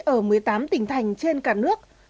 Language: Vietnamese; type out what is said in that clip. ở một mươi tám tỉnh thành trên cả nước